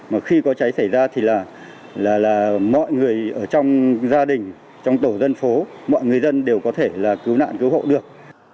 mà khi có cháy xảy ra thì là mọi người ở trong gia đình trong tổ dân phố mọi người dân đều có thể là cứu nạn cứu hộ được